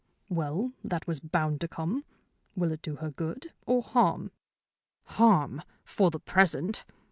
"Well, that was bound to come. Will it do her good or harm?" "Harm, for the present.